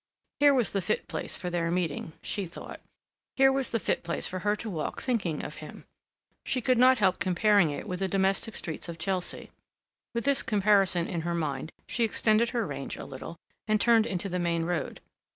Here was the fit place for their meeting, she thought; here was the fit place for her to walk thinking of him. She could not help comparing it with the domestic streets of Chelsea. With this comparison in her mind, she extended her range a little, and turned into the main road.